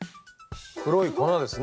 黒い粉ですね。